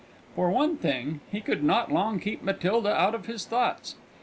For one thing, he could not long keep Matilda out of his thoughts.